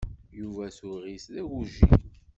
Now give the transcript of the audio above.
Yuba tuɣ-it d agujil.